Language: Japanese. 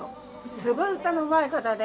すごい歌のうまい方で。